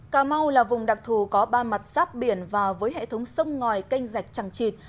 cà mau là vùng đặc thù có ba mặt sáp biển và với hệ thống sông ngòi canh rạch chẳng chịt